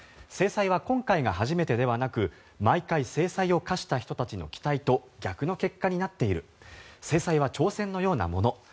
制裁は今回が初めてではなく毎回、制裁を科した人たちの期待と逆の結果になっている制裁は挑戦のようなもの。